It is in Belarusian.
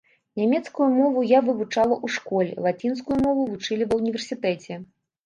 Нямецкую мову я вывучала ў школе, лацінскую мову вучылі ва ўніверсітэце.